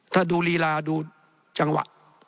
ถ้าดูลีลาดูจังหวะ